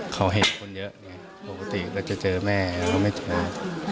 เขาเห็นคนเยอะไงปกติก็จะเจอแม่เขาไม่เจอ